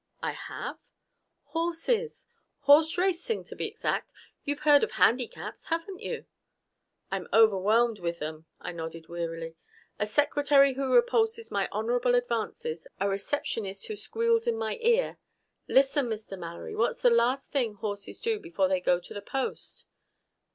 "I have?" "Horses! Horse racing, to be exact. You've heard of handicaps, haven't you?" "I'm overwhelmed with them," I nodded wearily. "A secretary who repulses my honorable advances, a receptionist who squeals in my ear " "Listen, Mr. Mallory, what's the last thing horses do before they go to the post?"